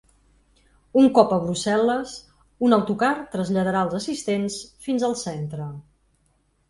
Un cop a Brussel·les, un autocar traslladarà els assistents fins al centre.